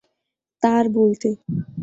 তা আর বলতে।